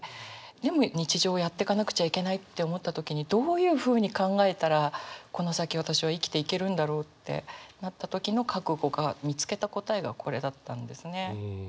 でも日常やってかなくちゃいけないって思った時にどういうふうに考えたらこの先私は生きていけるんだろうってなった時の覚悟が見つけた答えがこれだったんですね。